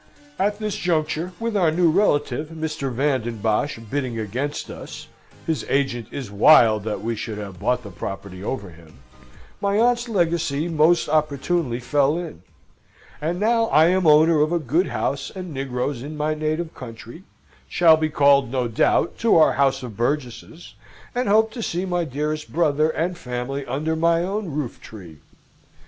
At this juncture, with our new relative, Mr. Van den Bosch, bidding against us (his agent is wild that we should have bought the property over him), my aunt's legacy most opportunely fell in. And now I am owner of a good house and negroes in my native country, shall be called, no doubt, to our House of Burgesses, and hope to see my dearest brother and family under my own roof tree.